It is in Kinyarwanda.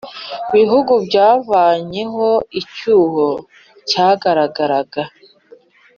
bihugu byavanyeho icyuho cyagaragaraga